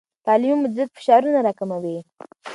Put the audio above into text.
تعلیمي مدیریت فشارونه راکموي.